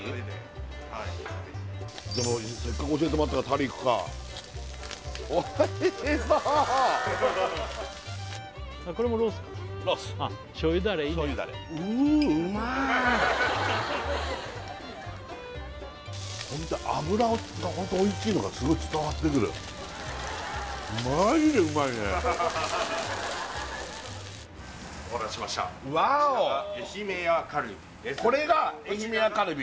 せっかく教えてもらったからタレいくかおいしそう脂がホントおいしいのがすごい伝わってくるマジでうまいねお待たせしましたこちらがこれがえひめ屋カルビ？